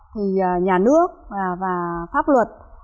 thì nhà nước và pháp luật